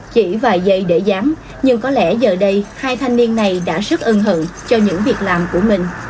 chỉ vài giây để giám nhưng có lẽ giờ đây hai thanh niên này đã rất ân hận cho những việc làm của mình